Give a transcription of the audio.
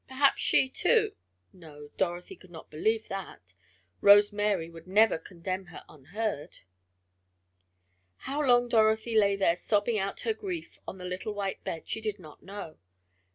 Perhaps she too no, Dorothy could not believe that. Rose Mary would never condemn her unheard. How long Dorothy lay there sobbing out her grief on the little white bed, she did not know.